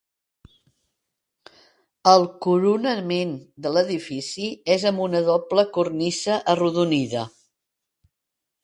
El coronament de l'edifici és amb una doble cornisa arrodonida.